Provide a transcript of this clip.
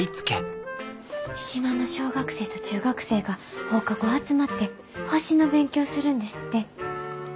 島の小学生と中学生が放課後集まって星の勉強するんですって。